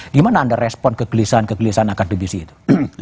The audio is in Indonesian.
gimana anda respon kegelisahan kegelisahan akademisi itu